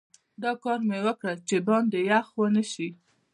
دا کار مې وکړ چې باندې یخ ونه شي.